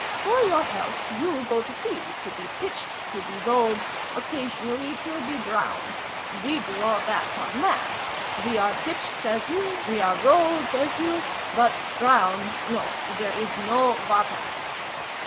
For your health, you go to sea : to be pitched, to be rolled, occasionally to be drowned. We do all that on land : we are pitched, as you ; we are rolled, as you ; but drowned, no ! There is no water